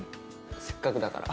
せっかくだから。